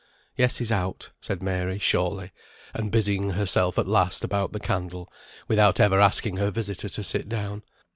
"Yes, he's out," said Mary, shortly, and busying herself at last about the candle, without ever asking her visitor to sit down.